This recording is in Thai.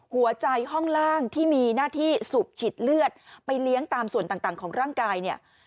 หัวใจห้องล่างที่มีหน้าที่สูบฉีดเลือดไปเลี้ยงตามส่วนต่างของร่างกายเนี่ย